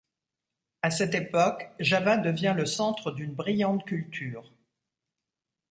À cette époque, Java devient le centre d'une brillante culture.